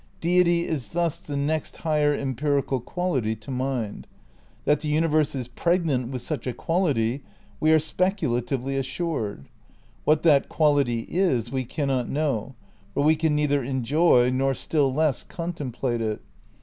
' "Deity is thus the next higher empirical quality to mind. That the universe is pregnant with such a quality we are speculatively assured. What that quality is we cannot know; for we can neither enjoy nor still less contemplate it.